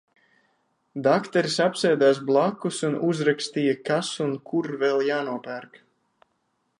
Dakteris apsēdās blakus un uzrakstīja, kas un kur vēl jānopērk.